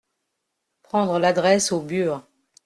Prendre l'adresse au bur.